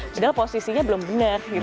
padahal posisinya belum benar